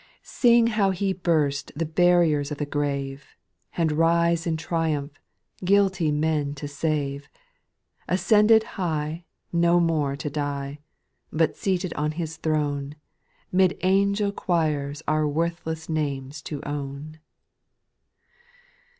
2. Sing how He burst the barriers of the grave, And rise in triumph, guilty men to save. Ascended high, no more to die. But seated on His throne, 'Mid angel choirs our worthless names to own.